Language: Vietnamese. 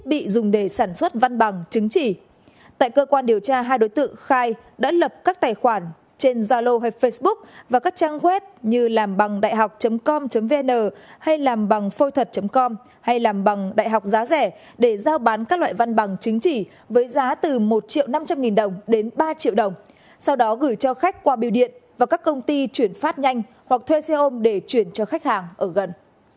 tại cơ quan điều tra hai đối tượng khai đã lập các tài khoản trên zalo hoặc facebook và các trang web như làmbằngđạihọc com vn hay làmbằngphôithật com hay làmbằngđạihọc giá rẻ để giao bán các loại văn bằng chính trị với giá từ một triệu năm trăm linh nghìn đồng đến ba triệu đồng sau đó gửi cho khách qua biểu điện và các công ty chuyển phát nhanh hoặc thuê xe ôm để chuyển cho khách hàng ở gần